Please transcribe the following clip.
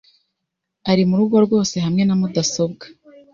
Ari murugo rwose hamwe na mudasobwa .